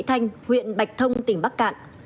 thành huyện bạch thông tỉnh bắc cạn